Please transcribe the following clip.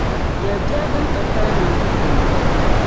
Yɛl’ biɛri din ka kalinli n-kul gili ma.